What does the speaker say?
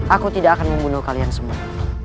aku tidak akan membunuh kalian semua